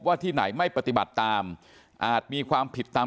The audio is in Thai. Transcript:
ที่ไหนไม่ปฏิบัติตามอาจมีความผิดตาม